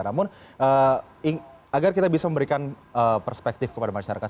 namun agar kita bisa memberikan perspektif kepada masyarakat